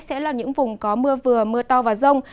sẽ là những vùng có mưa vừa mưa to và rông